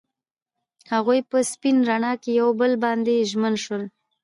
هغوی په سپین رڼا کې پر بل باندې ژمن شول.